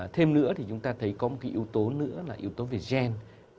thêm nữa thì chúng ta thấy có một cái yếu tố nữa là yếu tố về gen